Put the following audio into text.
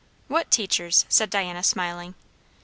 "What 'teachers'?" said Diana, smiling.